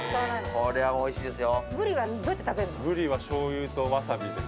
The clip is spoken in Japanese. こりゃおいしいですよ。